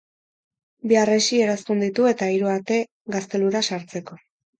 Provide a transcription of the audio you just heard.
Bi harresi eraztun ditu eta hiru ate gaztelura sartzeko.